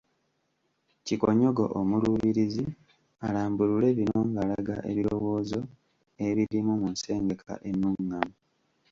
Kikonyogo Omuluubirizi alambulule bino ng’alaga ebirowoozo ebirimu mu nsengeka ennungamu